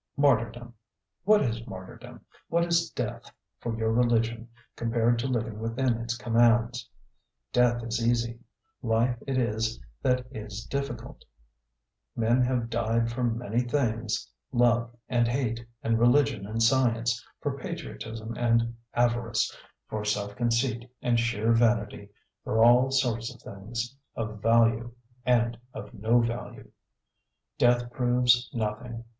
Martyrdom what is martyrdom, what is death, for your religion, compared to living within its commands? Death is easy; life it is that is difficult. Men have died for many things: love and hate, and religion and science, for patriotism and avarice, for self conceit and sheer vanity, for all sorts of things, of value and of no value. Death proves nothing.